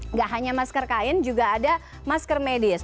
nggak hanya masker kain juga ada masker medis